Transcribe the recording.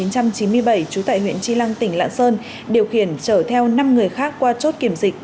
năm một nghìn chín trăm chín mươi bảy trú tại huyện tri lăng tỉnh lạng sơn điều khiển chở theo năm người khác qua chốt kiểm dịch